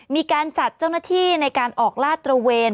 มีการจัดเจ้าหน้าที่ในการออกลาดตระเวน